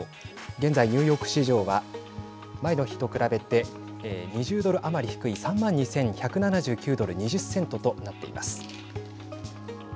現在、ニューヨーク市場は前の日と比べて２０ドル余り低い３万２１７９ドル２０セントとなっています。